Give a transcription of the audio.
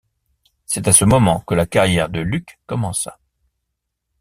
C’est à ce moment que la carrière de Luc commença.